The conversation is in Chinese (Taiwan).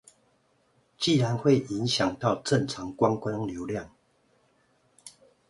既然會影響到正常觀光流量